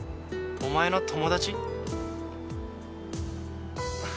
お前の友達？